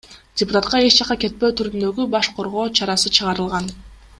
Депутатка эч жакка кетпөө түрүндөгү баш коргоо чарасы чыгарылган.